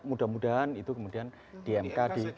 mudah mudahan itu kemudian di mk di